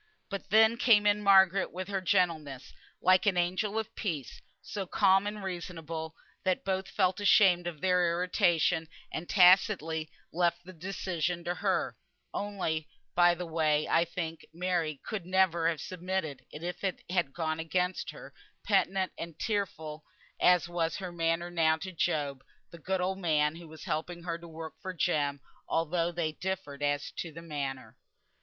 But then came in Margaret with her gentleness, like an angel of peace, so calm and reasonable, that both felt ashamed of their irritation, and tacitly left the decision to her (only, by the way, I think Mary could never have submitted if it had gone against her, penitent and tearful as was her manner now to Job, the good old man who was helping her to work for Jem, although they differed as to the manner).